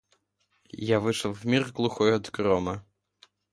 Я вышел в мир глухой от грома.